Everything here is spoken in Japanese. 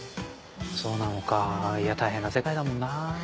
そうなのか大変な世界だもんな。